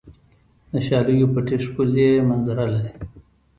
د شالیو پټي ښکلې منظره لري.